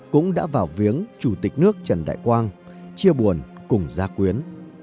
cũng đã vào viếng chủ tịch nước trần đại quang chia buồn cùng gia quyến